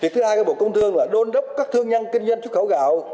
thứ hai của bộ công thương là đôn đốc các thương nhân kinh doanh xuất khẩu gạo